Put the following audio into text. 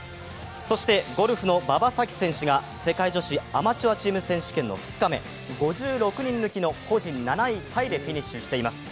そして、ゴルフの馬場咲希選手が世界女子アマチュアチーム選手権の２日目５６人抜きの個人７位タイでフィニッシュしています。